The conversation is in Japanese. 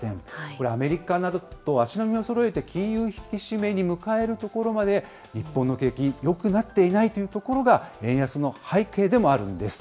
これ、アメリカなどと足並みをそろえて金融引き締めに向かえるところまで日本の景気が良くなっていないというところが、円安の背景でもあるんです。